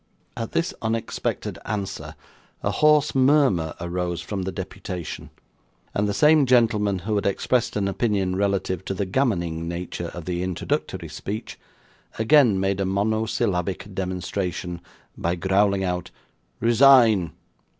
At this unexpected answer, a hoarse murmur arose from the deputation; and the same gentleman who had expressed an opinion relative to the gammoning nature of the introductory speech, again made a monosyllabic demonstration, by growling out 'Resign!